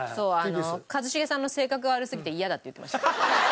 一茂さんの性格が悪すぎて嫌だって言ってました。